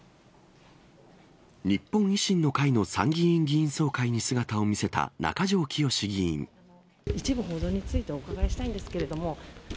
日本維新の会の参議院議員総一部報道についてお伺いしたいんですけれども。